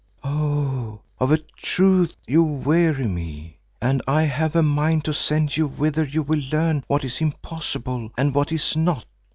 "Oh! of a truth you weary me, and I have a mind to send you whither you will learn what is impossible and what is not.